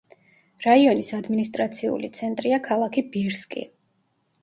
რაიონის ადმინისტრაციული ცენტრია ქალაქი ბირსკი.